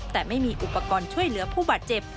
แต่ไม่มีอุปกรณ์ช่วยเหลือผู้บาดเจ็บ